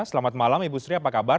selamat malam ibu sri apa kabar